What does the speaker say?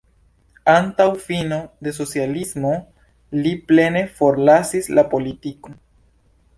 Antaŭ fino de socialismo li plene forlasis la politikon.